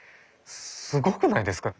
すごくないですか？